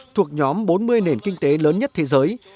thuộc nhóm bốn mươi nền kinh tế lớn nhất thế giới